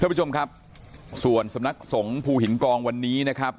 ผู้ชมครับส่วนสำนักสงฆ์ภูหินกองวันนี้นะครับ